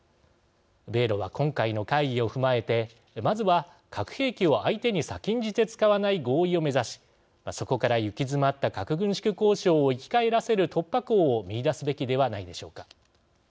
米ロは今回の会議を踏まえてまずは核兵器を相手に先んじて使わない合意を目指しそこから行き詰まった核軍縮交渉を生き返らせる突破口を見いだすべきではないでしょうか。